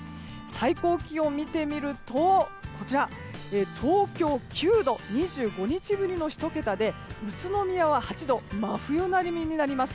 最高気温を見てみると東京９度、２５日ぶりの１桁で宇都宮は８度と真冬並みになります。